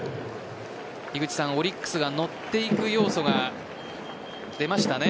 オリックスが乗っていく要素が出ましたね。